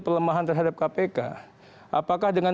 pelemahan terhadap kpk apakah dengan